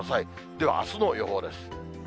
ではあすの予報です。